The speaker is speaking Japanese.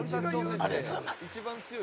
ありがとうございます。